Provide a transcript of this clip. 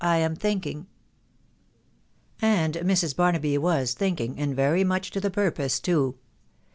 I am thinking. ... And Mrs. Barnaby was thinking, and very much to the purpose too.